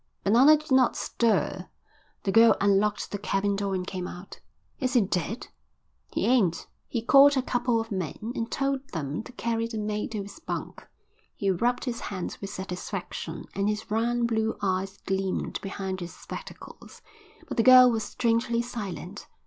Bananas did not stir. The girl unlocked the cabin door and came out. "Is he dead?" "He ain't." He called a couple of men and told them to carry the mate to his bunk. He rubbed his hands with satisfaction and his round blue eyes gleamed behind his spectacles. But the girl was strangely silent.